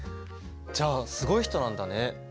じゃあすごい人なんだね。